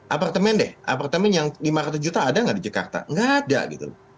apartemen deh apartemen yang lima ratus juta ada nggak di jakarta nggak ada gitu loh